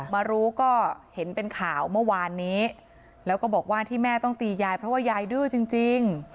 มารู้ก็เห็นเป็นข่าวเมื่อวานนี้แล้วก็บอกว่าที่แม่ต้องตียายเพราะว่ายายดื้อจริง